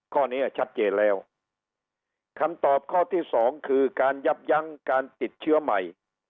ข้อนี้ชัดเจนแล้วคำตอบข้อที่สองคือการยับยั้งการติดเชื้อใหม่